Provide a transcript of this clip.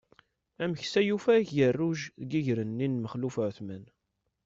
Ameksa yufa agerruj deg iger-nni n Maxluf Uεetman.